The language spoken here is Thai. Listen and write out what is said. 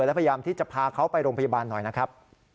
และพยายามที่จะพาเขาไปโรงพยาบาลหน่อยนะครับ